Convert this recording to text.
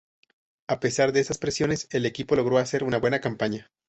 A pesar de estas presiones, el equipo logró hacer una buena campaña.